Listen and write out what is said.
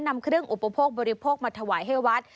นำเครื่องอุปโภคบริโภคมาถวายให้วัด